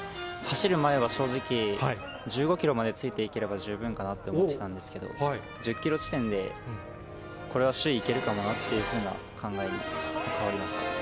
走る前は正直、１５キロまでついていければ十分かなって思ってたんですけど、１０キロ地点で、これは首位いけるかもなっていうふうな考えに変わりました。